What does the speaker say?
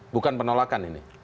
bukan penolakan ini